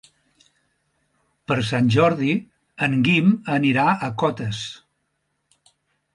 Per Sant Jordi en Guim anirà a Cotes.